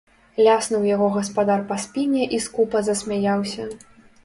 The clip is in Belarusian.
Ляснуў яго гаспадар па спіне і скупа засмяяўся.